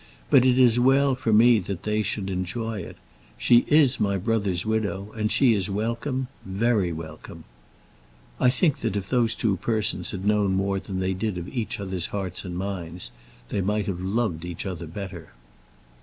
"But it is well for me that they should enjoy it. She is my brother's widow, and she is welcome; very welcome." I think that if those two persons had known more than they did of each other's hearts and minds they might have loved each other better.